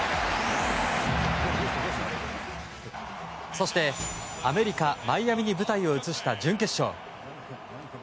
そしてアメリカ・マイアミに舞台を移した準決勝。